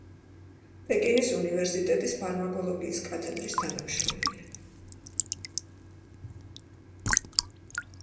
პეკინის უნივერსიტეტის ფარმაკოლოგიის კათედრის თანამშრომელი.